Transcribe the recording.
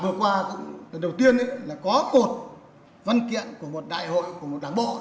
vừa qua cũng lần đầu tiên là có một văn kiện của một đại hội của một đảng bộ